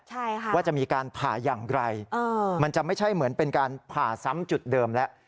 ใช่ค่ะว่าจะมีการผ่าอย่างไรเออมันจะไม่ใช่เหมือนเป็นการผ่าซ้ำจุดเดิมแล้ว